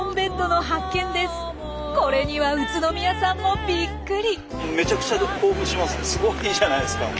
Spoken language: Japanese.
これには宇都宮さんもびっくり！